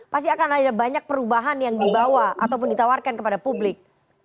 pasti akan ada banyak perubahan yang dibawa ataupun ditawarkan kepada publik